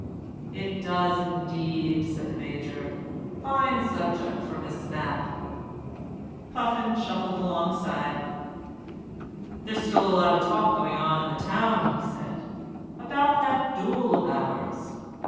"It does indeed," said the Major. "Fine subject for Miss Mapp." Puffin shuffled alongside. "There's still a lot of talk going on in the town," he said, "about that duel of ours.